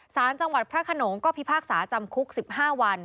สารจังหวัดพระขนงก็พิพากษาจำคุก๑๕วัน